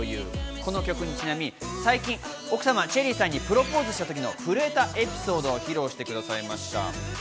この１曲にちなみに最近、奥様にプロポーズした時の震えたエピソードを披露してくれました。